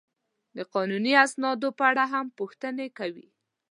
د قانوني اسنادو په اړه هم پوښتنې کوي.